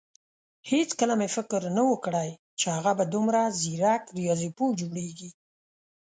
هيڅکله مې فکر نه وو کړی چې هغه به دومره ځيرک رياضيپوه جوړېږي.